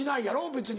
別に。